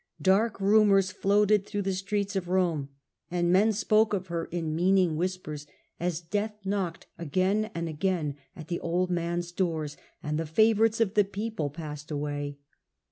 Dark rumours floated through the streets of Rome, and men spoke of her in meaning whispers, as death knocked again and again at the old man's doors and the favourites of the people passed away.